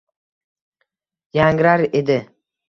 Yangrar edi